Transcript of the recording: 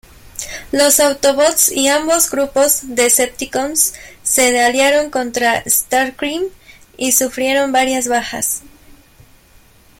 Los Autobots y ambos grupos Decepticons se aliaron contra Starscream y sufrieron varias bajas.